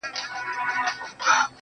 گراني شاعري ستا په خوږ ږغ كي